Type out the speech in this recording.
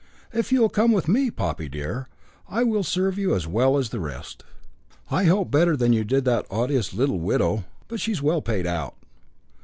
"If you will come with me, Poppy dear, I will serve you as well as the rest." "I hope better than you did that odious little widow. But she is well paid out."